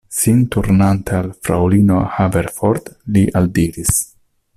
Sin turnante al fraŭlino Haverford, li aldiris: